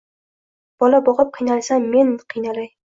Bola boqib qiynalsam men qiynalay.